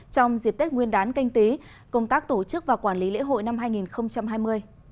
trong dịp tết nguyên đán canh tí công tác tổ chức và quản lý lễ hội năm hai nghìn hai mươi